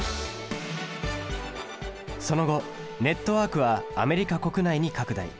その後ネットワークはアメリカ国内に拡大。